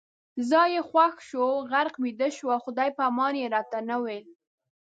ځای یې خوښ شو، غرق ویده شو، خدای پامان یې راته نه ویل